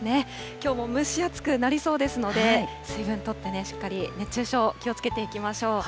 きょうも蒸し暑くなりそうですので、水分とってね、しっかり熱中症、気をつけていきましょう。